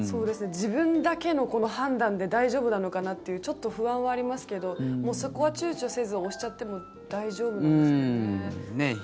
自分だけの判断で大丈夫なのかなというちょっと不安はありますけどもうそこは躊躇せず押しちゃっても大丈夫なんですかね。